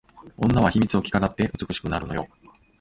女は秘密を着飾って美しくなるのよ